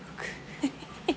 フフフ。